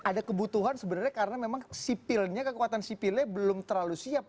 ada kebutuhan sebenarnya karena memang sipilnya kekuatan sipilnya belum terlalu siap